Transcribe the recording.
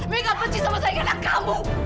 mereka benci sama saya karena kamu